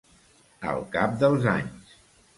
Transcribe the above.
Al cap dels anys.